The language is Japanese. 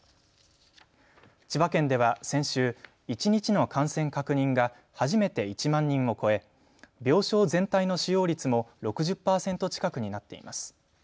千葉県では先週、１日の感染確認が初めて１万人を超え病床全体の使用率も６０パーセント近くになっています。